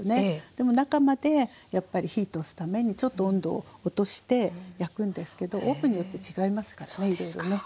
でも中までやっぱり火通すためにちょっと温度を落として焼くんですけどオーブンによって違いますからねいろいろね。